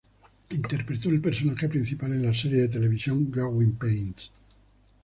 Interpretó el personaje principal en la serie de televisión "Growing Pains".